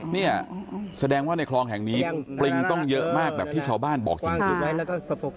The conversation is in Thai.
เนี่ยแสดงว่าในคลองแห่งนี้ปริงต้องเยอะมากแบบที่ชาวบ้านบอกจริง